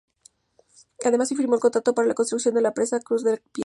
Además, se firmó el contrato para la construcción de la presa Cruz de Piedra.